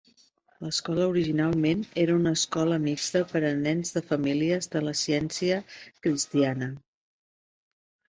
L'escola originalment era una escola mixta per a nens de famílies de la Ciència Cristiana.